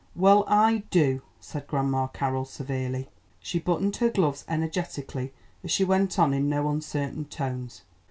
"Well, I do," said Grandma Carroll severely. She buttoned her gloves energetically as she went on in no uncertain tones.